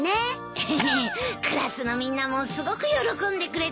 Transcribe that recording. エヘヘクラスのみんなもすごく喜んでくれたよ。